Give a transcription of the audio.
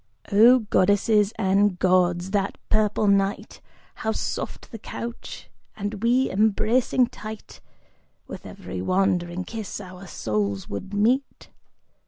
Oh Goddesses and Gods, that purple night How soft the couch! And we, embracing tight; With every wandering kiss our souls would meet!